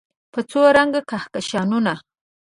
په څو رنګ کهکشانونه